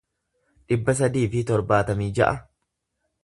dhibba sadii fi torbaatamii ja'a